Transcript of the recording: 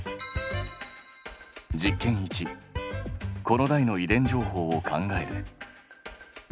１子の代の遺伝情報を考える。